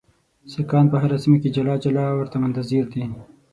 سیکهان په هره سیمه کې جلا جلا ورته منتظر دي.